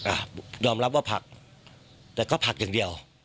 อ่ะยอมรับว่าผักแต่ก็ผักอย่างเดียว